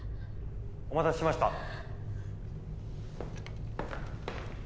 お待たせしました。